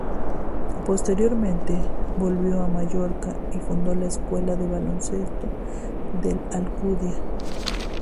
Posteriormente, volvió a Mallorca y fundó la escuela de baloncesto del Alcudia.